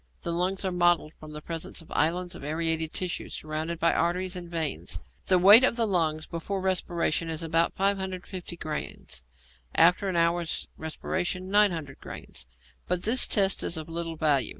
The lungs are mottled from the presence of islands of aerated tissue, surrounded by arteries and veins. The weight of the lungs before respiration is about 550 grains, after an hour's respiration 900 grains; but this test is of little value.